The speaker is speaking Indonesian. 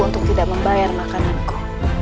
untuk tidak membayar makananku